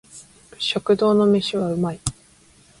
食堂の飯は美味い